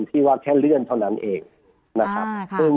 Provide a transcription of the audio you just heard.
ที่ว่าแค่เลื่อนเท่านั้นเองนะครับ